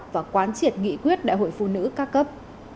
và quán triệt nghị quyết đại hội phụ nữ ca cấp